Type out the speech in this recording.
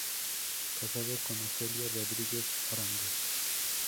Casado con Ofelia Rodríguez Arango.